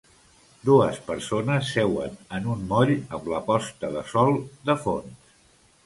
Dues persones seuen en un moll amb la posta de sol de fons.